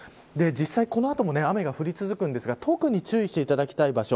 実際、この後も雨が降り続くんですが特に注意していただきたい場所。